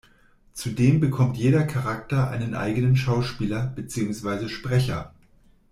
Zudem bekommt jeder Charakter einen eigenen Schauspieler beziehungsweise Sprecher.